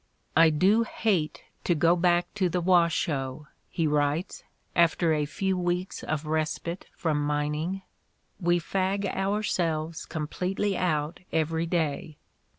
"I do hate to go back to the Washoe," he writes, after a few weeks of respite from mining. "We fag ourselves completely out every day."